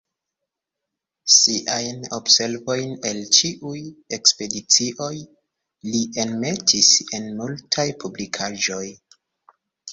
Siajn observojn el ĉiuj ekspedicioj li enmetis en multaj publikaĵoj.